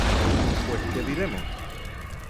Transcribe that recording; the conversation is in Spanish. ¿Pues qué diremos?